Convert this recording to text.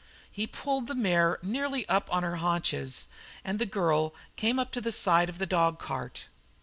He pulled the mare nearly up on her haunches, and the girl came up to the side of the dog cart.